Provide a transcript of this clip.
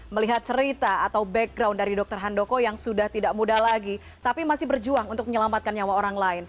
melihat cerita atau background dari dokter handoko yang sudah tidak muda lagi tapi masih berjuang untuk menyelamatkan nyawa orang lain